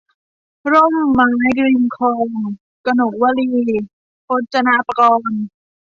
ร่มไม้ริมคลอง - กนกวลี พจนปกรณ์